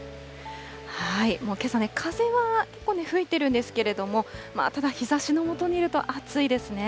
もうけさね、風は吹いているんですけれども、ただ、日ざしの下にいると暑いですね。